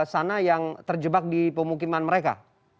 sana yang terjebak di pemukiman mereka